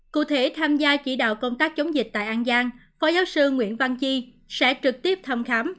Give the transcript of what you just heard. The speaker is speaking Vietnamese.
cụ thể tham gia chỉ đạo công tác chống dịch tại an giang phó giáo sư nguyễn văn chi sẽ trực tiếp thăm khám